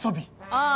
ああ。